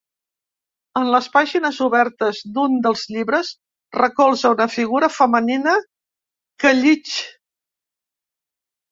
En les pàgines obertes d’un dels llibres recolza una figura femenina que llig.